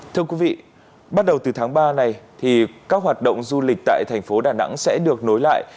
thưa quý vị bắt đầu từ tháng ba này thì các hoạt động du lịch tại thành phố đà nẵng sẽ được nối lại